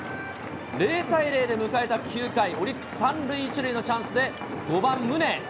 ０対０で迎えた９回、オリックス、３塁１塁のチャンスで５番宗。